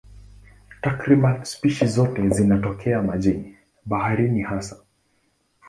Takriban spishi zote zinatokea majini, baharini hasa.